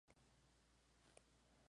Dedicó este doble monasterio a San Pedro.